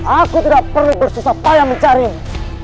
aku tidak perlu bersusah payah mencarimu